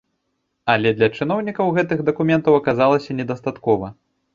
Але для чыноўнікаў гэтых дакументаў аказалася не дастаткова.